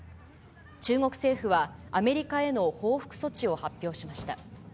中国政府はアメリカへの報復措置を発表しました。